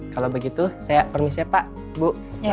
kalau begitu saya permisi pak ibu